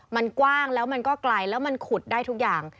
มันกว้างแล้วมันก็ไกลแล้วมันขุดได้ทุกอย่าง